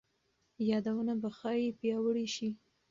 یادونه به ښايي پیاوړي شي.